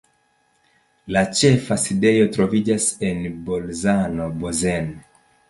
La ĉefa sidejo troviĝas en Bolzano-Bozen.